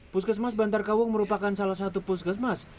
puskesmas bantar kaung merupakan salah satu puskesmas